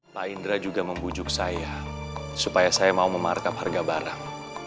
pak indra juga membujuk saya supaya saya mau memarkap harga barang